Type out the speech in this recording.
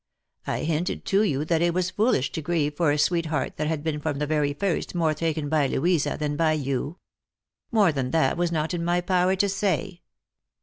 I hinted to you that it was foolish to grieve for a sweetheart that had been from the very first more taken by Louisa than by you. More than that was not in my power to say.